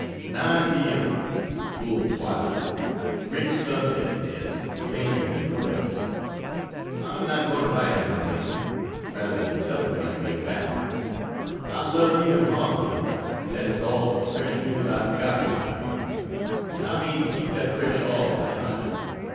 9 P.M. Full twilight rich sunset tints lingering in the west. I am not going to write anything rather tell it when I get back. I love you and Harmony, and that is all the fresh news I've got, anyway. And I mean to keep that fresh all the time.